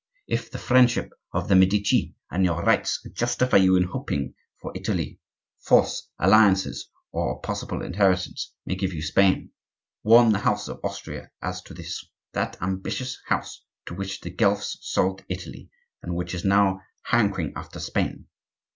If the friendship of the Medici and your rights justify you in hoping for Italy, force, alliances, or a possible inheritance may give you Spain. Warn the house of Austria as to this,—that ambitious house to which the Guelphs sold Italy, and which is even now hankering after Spain.